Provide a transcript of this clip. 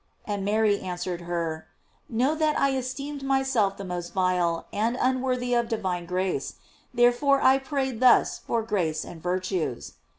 and Mary answer ed her: "Know that I esteemed myself the most vile, and unworthy of divine grace; therefore I prayed thus for grace and virtues."